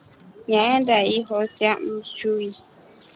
Nyaenda ihonsa nshui.